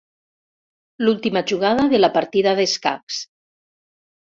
L'última jugada de la partida d'escacs.